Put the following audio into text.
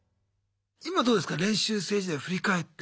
今どうですか練習生時代振り返って。